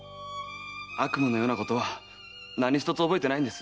悪夢のようなことは何ひとつ覚えてないんです。